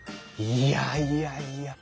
いやいやいや。